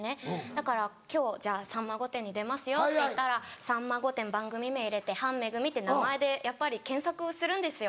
だから今日『さんま御殿‼』に出ますよっていったら『さんま御殿‼』番組名入れて「潘めぐみ」って名前でやっぱり検索をするんですよ